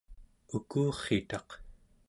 ukurritaq